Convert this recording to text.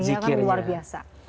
zikirnya kan luar biasa